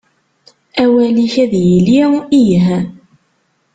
Awal-ik ad yili: Ih.